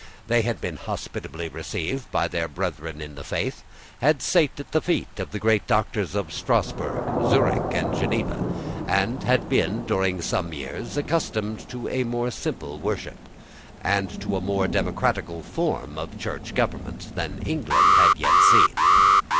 They had been hospitably received by their brethren in the faith, had sate at the feet of the great doctors of Strasburg, Zurich, and Geneva, and had been, during some years, accustomed to a more simple worship, and to a more democratical form of church government, than England had yet seen.